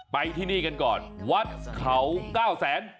ไปที่นี่กันก่อนวัดเขา๙แสน